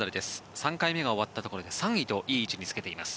３回目が終わったところで３位といい位置につけています。